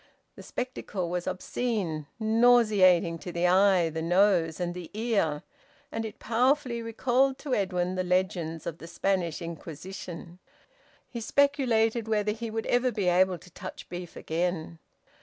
The spectacle was obscene, nauseating to the eye, the nose, and the ear, and it powerfully recalled to Edwin the legends of the Spanish Inquisition. He speculated whether he would ever be able to touch beef again.